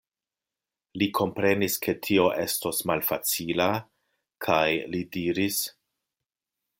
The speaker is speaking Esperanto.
Li komprenis, ke tio estos malfacila kaj li diris: